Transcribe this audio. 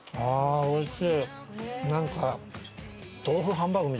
おいしい！